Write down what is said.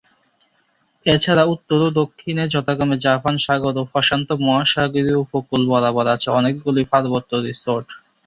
এছাড়া উত্তর ও দক্ষিণে যথাক্রমে জাপান সাগর ও প্রশান্ত মহাসাগরীয় উপকূল বরাবর আছে অনেকগুলি পার্বত্য রিসর্ট।